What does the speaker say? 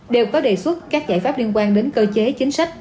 đều có đề xuất các giải pháp liên quan đến cơ chế chính sách